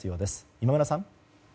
今村さん。